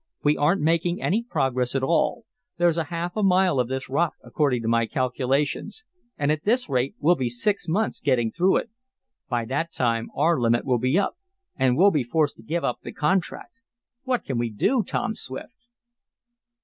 "We aren't making any progress at all. There's a half mile of this rock, according to my calculations, and at this rate we'll be six months getting through it. By that time our limit will be up, and we'll be forced to give up the contract What can we do, Tom Swift?"